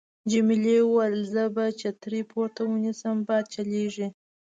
جميلې وويل:: زه به چترۍ پورته ونیسم، باد چلېږي.